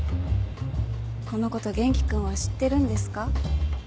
このこと元気君は知ってるんですか？